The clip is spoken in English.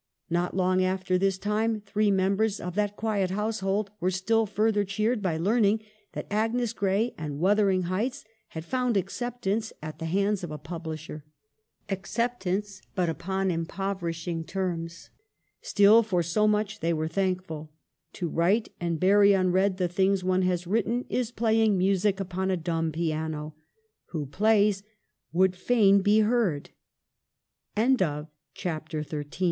Not long after this time, three members of that quiet household were still further cheered by learning that 'Agnes Gray'" and ' Wuthering Heights ' had found acceptance at the hands of a publisher. Acceptance ; but upon impover ishing terms. Still, for so much they were thankful. To write, and bury unread the things one has written, is playing music upon a dumb piano. Who plays, would fain be heard. CHAPTER XIV.